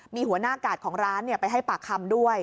มีหัวหน้ากาดของร้านไปให้ปากคำด้วย